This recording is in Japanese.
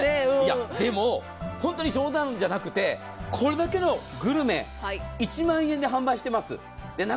本当に冗談じゃなくて、これだけのグルメ、１万円で販売しています。